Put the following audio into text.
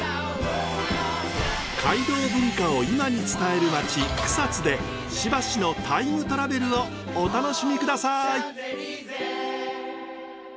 街道文化をいまに伝える町草津でしばしのタイムトラベルをお楽しみください。